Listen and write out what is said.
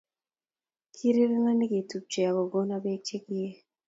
Kirirena negetupche agogonon beek chegiie